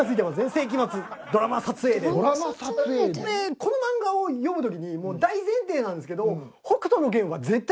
この漫画を読む時にもう大前提なんですけど。